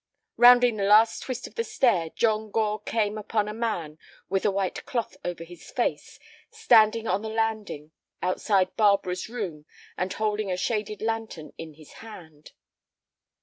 Rounding the last twist of the stair, John Gore came upon a man with a white cloth over his face, standing on the landing outside Barbara's room and holding a shaded lantern in his hand.